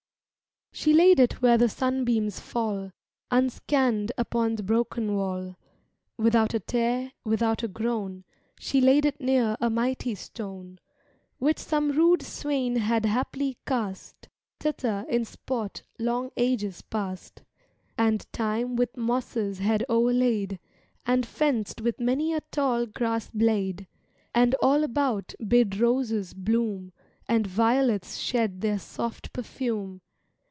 SHE laid it where the sunbeams fall Unscann'd upon the broken wall. Without a tear, without a groan, She laid it near a mighty stone, Which some rude swain had haply cast Thither in sport, long ages past, And Time with mosses had o'erlaid, And fenced with many a tall grassblade, And all about bid roses bloom And violets shed their soft perfume.